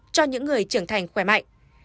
cho những người trưởng thành khỏe mạnh